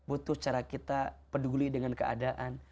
butuh cara kita peduli dengan keadaan